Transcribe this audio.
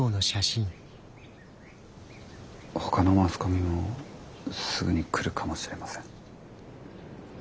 ほかのマスコミもすぐに来るかもしれません。